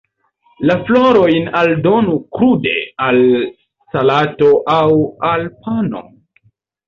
La florojn aldonu krude al salato aŭ al pano.